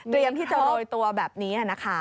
ที่จะโรยตัวแบบนี้นะคะ